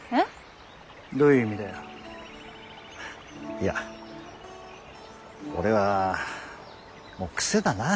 いや俺はもう癖だな。